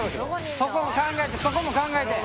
そこも考えてそこも考えて。